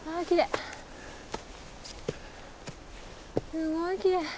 すごいきれい。